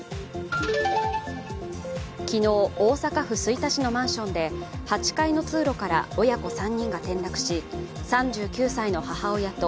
昨日、大阪府吹田市のマンションで８階の通路から親子３人が転落死、３９歳の母親と